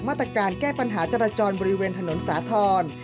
มาตรการแก้ปัญหาจราจรบริเวณถนนสาธรณ์